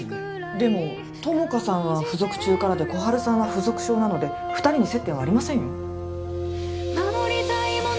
でも友果さんは附属中からで心春さんは附属小なので二人に接点はありませんよ